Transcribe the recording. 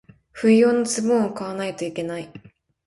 冬用のズボンを買わないといけない。